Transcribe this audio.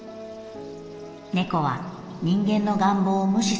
猫は人間の願望を無視する。